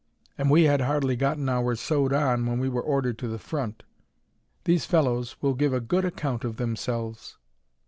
And we had hardly gotten ours sewed on when we were ordered to the front. These fellows will give a good account of themselves."